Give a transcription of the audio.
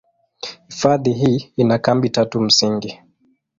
Hifadhi hii ina kambi tatu msingi.